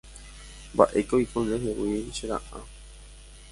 Mba'éiko oiko ndehegui che ra'a.